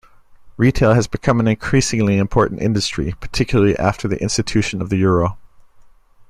Retail has become an increasingly important industry, particularly after the institution of the euro.